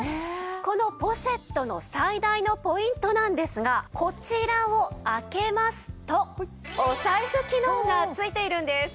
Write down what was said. このポシェットの最大のポイントなんですがこちらを開けますとお財布機能がついているんです。